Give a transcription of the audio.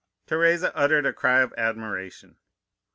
"Teresa uttered a cry of admiration.